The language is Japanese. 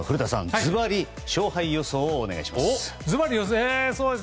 ズバリ勝敗予想をお願いします。